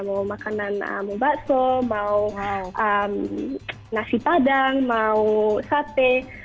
mau makanan mubatso mau nasi padang mau sate